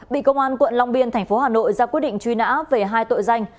bị công an quận long biên thành phố hà nội ra quyết định truy nã về hai tội danh